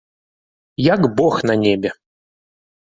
Як бог на небе!